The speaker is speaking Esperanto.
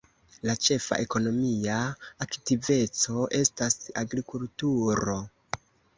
La ĉefa ekonomia aktiveco estas agrikulturo.